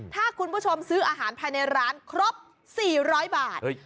ถ้าคุณผู้ชมซื้ออาหารภายในร้านครบ๔๐๐บาท